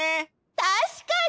たしかに！